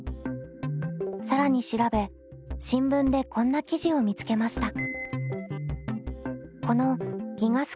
更に調べ新聞でこんな記事を見つけました。